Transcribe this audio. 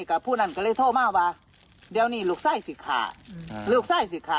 กะพู่นั้นแล้วก็ถัวมาว่าเดี๋ยวนี่ลุกไส้สิค่ะอืมลุกไส้สิค่ะ